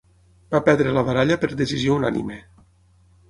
Va perdre la baralla per decisió unànime.